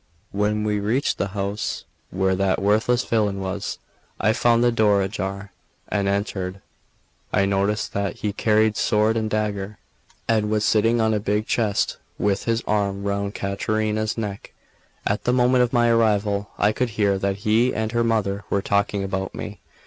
When we reached the house where that worthless villain was, I found the door ajar, and entered. I noticed that he carried sword and dagger, and was sitting on a big chest with his arm round Caterina's neck; at the moment of my arrival, I could hear that he and her mother were talking about me.